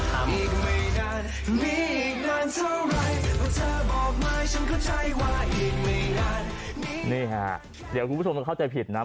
เท่าไรเพราะเธอบอกมาฉันเข้าใจว่าอีกไม่นานนี่ค่ะเดี๋ยวคุณผู้ชมจะเข้าใจผิดนะ